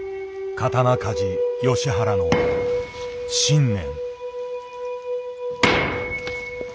刀鍛冶・吉原の信念。